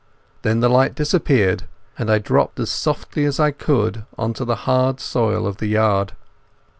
Then the light disappeared, and I dropped as softly as I could on to the hard soil of the yard.